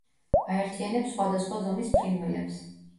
აერთიანებს სხვადასხვა ზომის ფრინველებს.